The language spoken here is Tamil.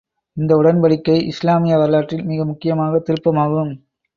இந்த உடன்படிக்கை, இஸ்லாமிய வரலாற்றில் மிக முக்கியமான திருப்பமாகும்.